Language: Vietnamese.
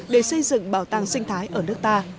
để xây dựng bảo tàng sinh thái ở nước ta